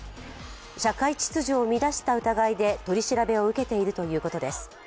社会秩序を乱した疑いで取り調べを受けているということです。